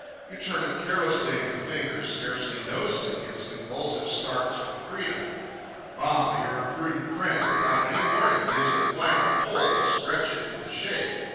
You turn it carelessly in your fingers, scarcely noticing its convulsive starts for freedom. Ah! your imprudent friend, without any warning, gives it a final pull to stretch it into shape.